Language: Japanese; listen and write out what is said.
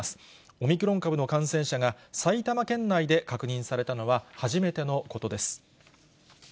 オミクロン株の感染者が埼玉県内で確認されたのは初めてのことです。